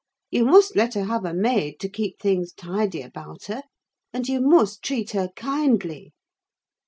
You must let her have a maid to keep things tidy about her, and you must treat her kindly.